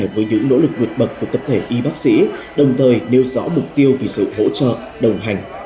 với những nỗ lực vượt bậc của tập thể y bác sĩ đồng thời nêu rõ mục tiêu vì sự hỗ trợ đồng hành